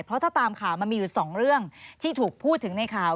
เพราะถ้าตามข่าวมันมีอยู่สองเรื่องที่ถูกพูดถึงในข่าว